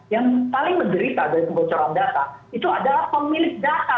yang paling menderita dari kebocoran data itu adalah pemilik data